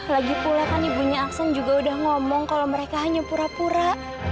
lagi pula kan ibunya aksen juga udah ngomong kalau mereka hanya pura pura